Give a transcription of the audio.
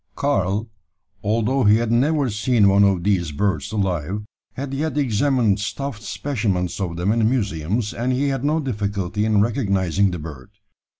Karl, although he had never seen one of these birds alive, had yet examined stuffed specimens of them in museums, and he had no difficulty in recognising the bird.